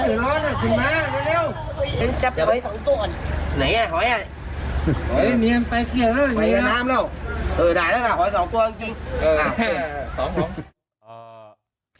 เหนียมไปสิเหนียมไปสิ